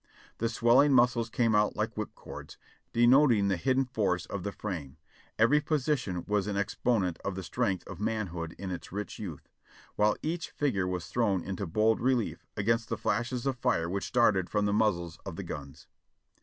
The swelling muscles came out like whip cords, denoting the hidden force of the frame ; every position was an exponent of the strength of manhood in its rich youth, while each figure was thrown into bold relief against the flashes of fire which darted from the muzzles of the gims.